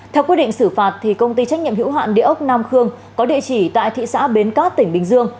theo quyết định xử phạt công ty trách nhiệm hữu hạn địa ốc nam khương có địa chỉ tại thị xã bến cát tỉnh bình dương